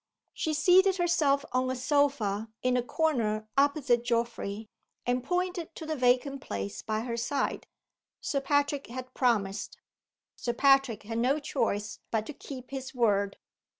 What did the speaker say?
She seated herself on a sofa in the corner opposite Geoffrey, and pointed to the vacant place by her side. Sir Patrick had promised Sir Patrick had no choice but to keep his word.